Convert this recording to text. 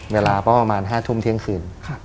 เวลาก็ประมาณ๕ทุ่มเที่ยงคืน